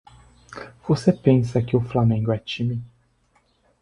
Você pensa que o flamengo é time?